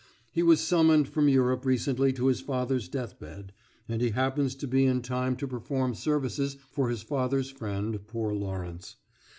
He was summoned from Europe recently to his father's deathbed, and he happens to be in time to perform services for his father's friend, poor Lawrence.